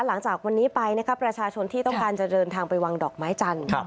หลังจากวันนี้ไปนะครับประชาชนที่ต้องการจะเดินทางไปวางดอกไม้จันทร์